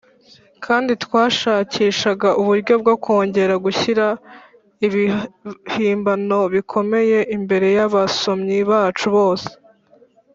kandi twashakishaga uburyo bwo kongera gushyira ibihimbano bikomeye imbere yabasomyi bacu bose.